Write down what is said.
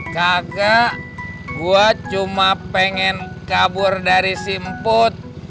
kakak gue cuma pengen kabur dari simput